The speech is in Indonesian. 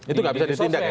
itu nggak bisa ditindak ya